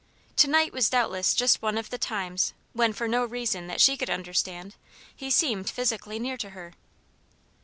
To night was doubtless just one of the times when, for no reason that she could understand, he seemed physically near to her.